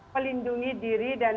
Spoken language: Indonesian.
melindungi diri dan